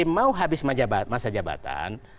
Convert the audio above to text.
pada saat sby mau habis masa jabatan